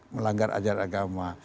melanggar ajar agama